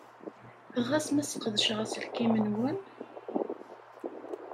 Ɣas ma sqedceɣ aselkim-nwen?